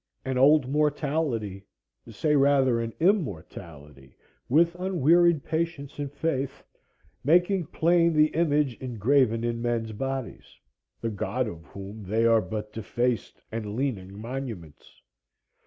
An Old Mortality, say rather an Immortality, with unwearied patience and faith making plain the image engraven in men's bodies, the God of whom they are but defaced and leaning monuments.